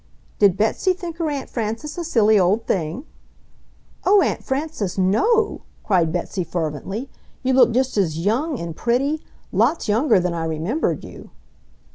"Did Betsy think her Aunt Frances a silly old thing?" "Oh, Aunt Frances, NO!" cried Betsy fervently. "You look just as YOUNG, and pretty! Lots younger than I remembered you!"